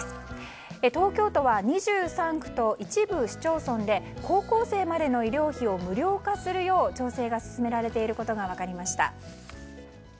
東京都は２３区と一部市町村で高校生までの医療費を無料化するよう調整が進められていることが分かりました。